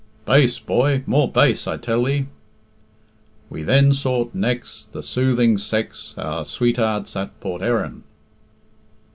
"Bass, boy more bass, I tell thee." "We then sought nex' The soothing sex, Our swatearts at Port Erin."